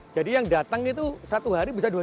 jadi yang datang itu satu hari bisa dua ribu